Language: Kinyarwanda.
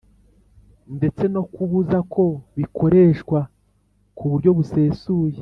ndetse no kubuza ko bikoreshwa ku buryo busesuye